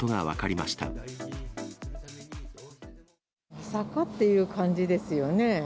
まさかっていう感じですよね。